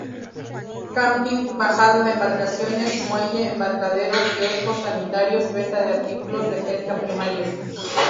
Camping, bajada de embarcaciones, muelle, embarcadero, kiosco, sanitarios, venta de artículos de pesca primarios.